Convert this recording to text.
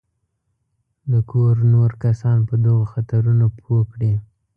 د کور نور کسان په دغو خطرونو پوه کړي.